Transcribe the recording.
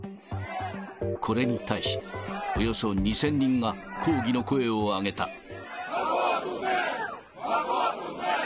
これに対し、およそ２０００人が抗議の声を上げた。